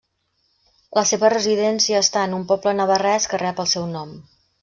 La seva residència està en un poble navarrès que rep el seu nom.